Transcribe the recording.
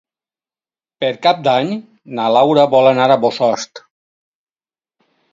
Per Cap d'Any na Laura vol anar a Bossòst.